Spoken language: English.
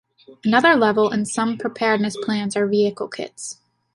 Another level in some preparedness plans are Vehicle Kits.